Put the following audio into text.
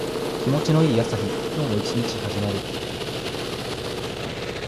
気持ちの良い朝日。今日も一日始まる。